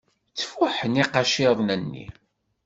Ttfuḥen iqaciren-nni.